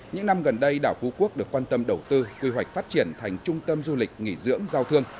những năm gần đây đảo phú quốc được quan tâm đầu tư quy hoạch phát triển thành trung tâm du lịch nghỉ dưỡng giao thương